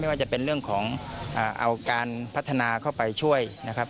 ว่าจะเป็นเรื่องของเอาการพัฒนาเข้าไปช่วยนะครับ